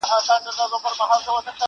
په یوه جرګه کي ناست وه مروروه!!